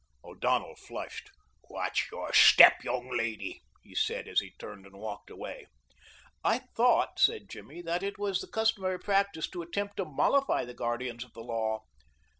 O'Donnell flushed. "Watch your step, young lady," he said as he turned and walked away. "I thought," said Jimmy, "that it was the customary practise to attempt to mollify the guardians of the law."